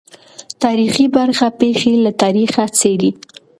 تاریخي برخه پېښې له تاریخه څېړي.